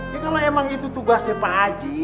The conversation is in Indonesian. kalau emang itu tugasnya pak haji